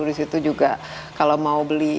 disitu juga kalau mau beli